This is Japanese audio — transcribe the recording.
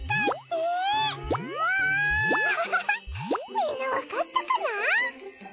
みんなわかったかな？